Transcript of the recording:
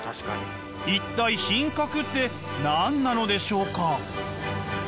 一体品格って何なのでしょうか？